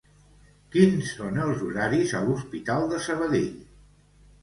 Quins són els horaris a l'hospital de Sabadell?